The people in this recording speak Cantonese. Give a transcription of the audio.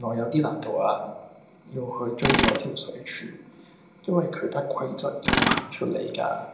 我有啲難度呀，要去追咗條水柱，因為佢不規則咁噴出嚟㗎